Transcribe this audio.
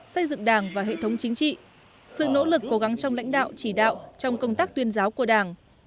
xây dựng đảng và hệ thống chính trị sự nỗ lực cố gắng trong lãnh đạo chỉ đạo trong công tác tuyên giáo của đảng